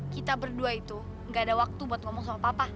kita berdua itu gak ada waktu buat ngomong sama papa